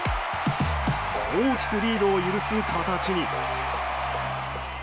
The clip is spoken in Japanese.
大きくリードを許す形に。